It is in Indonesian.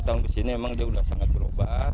tahun ke sini emang dia sudah sangat berubah